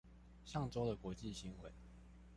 上週的國際新聞